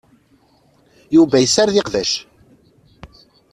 Yuba yessared iqbac.